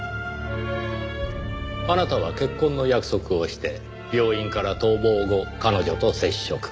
あなたは結婚の約束をして病院から逃亡後彼女と接触。